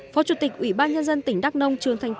phó chủ tịch ủy ban nhân dân tỉnh đắk nông trương thanh